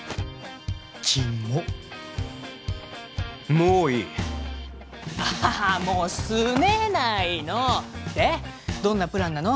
キモッもういいああもうすねないのでどんなプランなの？